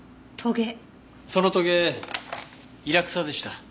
そのとげイラクサでした。